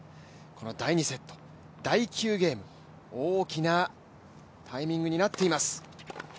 この第２セット、第９ゲーム大きなタイミングになっています。